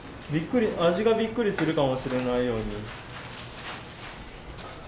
味がびっくりするかもしれないように。